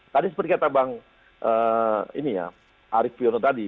tadi seperti kata bang arief piyono tadi